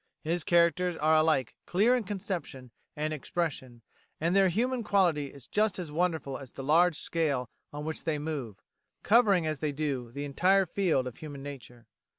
His characters are alike clear in conception and expression, and their human quality is just as wonderful as the large scale on which they move, covering, as they do, the entire field of human nature.